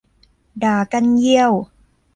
ดากลั้นเยี่ยว